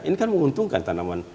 ini kan menguntungkan tanaman